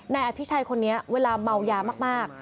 นายอภิชัยคนนี้เวลาเมายามาก